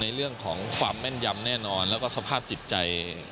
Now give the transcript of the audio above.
เรื่องของความแม่นยำแน่นอนแล้วก็สภาพจิตใจ